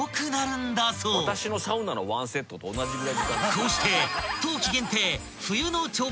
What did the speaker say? ［こうして］